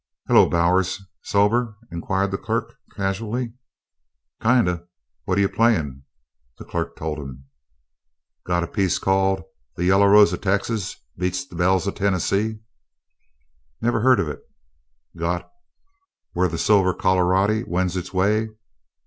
"Hello, Bowers! Sober?" inquired the clerk, casually. "Kinda. What you playin'?" The clerk told him. "Got a piece called 'The Yella Rose o' Texas Beats the Belles o' Tennessee'?" "Never heard of it." "Got 'Whur the Silver Colorady Wends its Way'?"